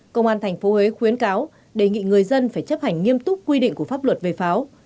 công an tp huế khuyến cáo đề nghị người dân phải chấp hành nghiêm túc quy định của pháp luật về pháo